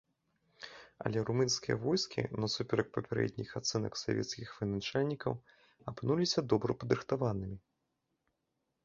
Але румынскія войскі, насуперак папярэдніх ацэнак савецкіх военачальнікаў, апынуліся добра падрыхтаванымі.